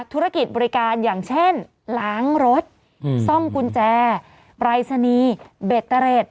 ธุรกิจบริการอย่างเช่นล้างรถซ่อมกุญแจปรายศนีย์เบตเตอร์เรด